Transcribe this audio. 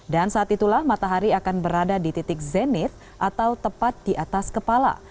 dan saat itulah matahari akan berada di titik zenith atau tepat di atas kepala